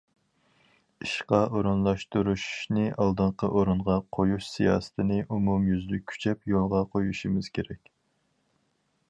ئىشقا ئورۇنلاشتۇرۇشنى ئالدىنقى ئورۇنغا قويۇش سىياسىتىنى ئومۇميۈزلۈك كۈچەپ يولغا قويۇشىمىز كېرەك.